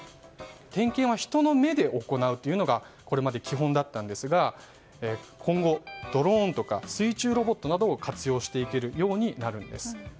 点検は人の目で行うというのが基本だったんですが今後、ドローンとか水中ロボットなどを活用していけるようになるんです。